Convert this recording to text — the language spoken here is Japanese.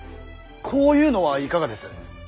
こういうのはいかがです。